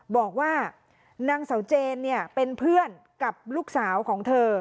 บอกว่านางสาวเจนเป็นเพื่อนกับลูกสาวของเธอ